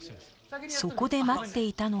そこで待っていたのは